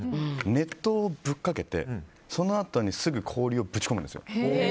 熱湯をぶっかけてそのあとに、すぐ氷をぶち込むんですよ。